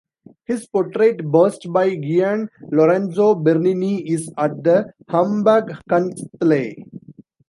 His portrait bust by Gian Lorenzo Bernini is at the Hamburg Kunsthalle.